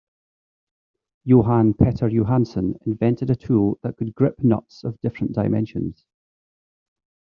Johan Petter Johansson invented a tool that could grip nuts of different dimensions.